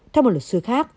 theo một luật sư khác